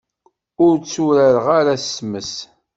Ur tturar ara s tmes.